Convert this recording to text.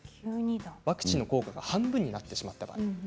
ワクチンの効果が半分になってしまった場合です。